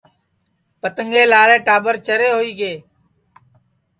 پتنگیں لارے ٹاٻر چرے ہوئی گے